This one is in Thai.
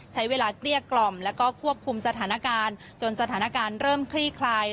เกลี้ยกล่อมแล้วก็ควบคุมสถานการณ์จนสถานการณ์เริ่มคลี่คลาย